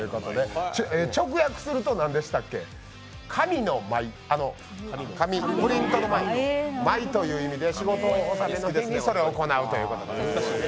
直訳すると紙の舞、プリントの舞という意味で仕事納めの日にそれを行うということです。